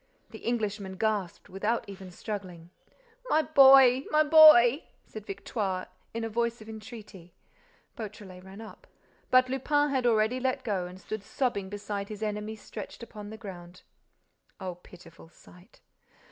The Englishman gasped, without even struggling. "My boy—my boy—" said Victoire, in a voice of entreaty. Beautrelet ran up. But Lupin had already let go and stood sobbing beside his enemy stretched upon the ground. O pitiful sight!